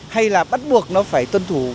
hay là bắt buộc nó phải tuân thủ